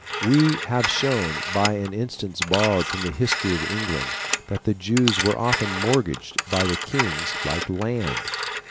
We have shown by an instance borrowed from the history of England that the Jews were often mortgaged by the kings like land.